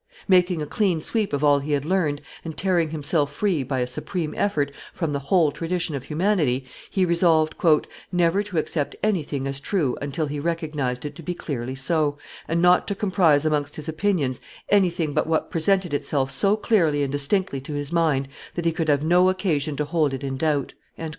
Making a clean sweep of all he had learned, and tearing himself free, by a supreme effort, from the whole tradition of humanity, he resolved "never to accept anything as true until he recognized it to be clearly so, and not to comprise amongst his opinions anything but what presented itself so clearly and distinctly to his mind that he could have no occasion to hold it in doubt."